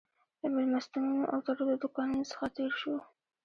له مېلمستونونو او تړلو دوکانونو څخه تېر شوو.